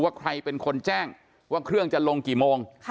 ว่าใครเป็นคนแจ้งว่าเครื่องจะลงกี่โมง